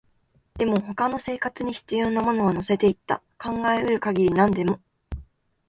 でも、他の生活に必要なものは乗せていった、考えうる限り何でも